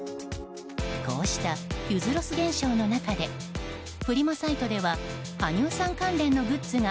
こうした、ゆづロス現象の中でフリマサイトでは羽生さん関連のグッズが